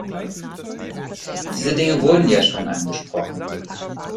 Diese Dinge wurden ja schon angesprochen.